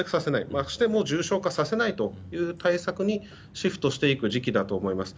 感染しても重症化させないという対策にシフトしていく時期だと思います。